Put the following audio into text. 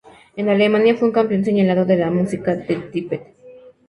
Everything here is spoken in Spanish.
En Alemania, fue un campeón señalado de la música de Tippett.